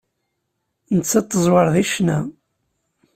Nettat teẓwer deg ccna.